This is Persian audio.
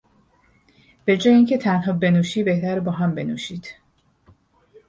به جای اینکه تنها بنوشی بهتره با هم بنوشید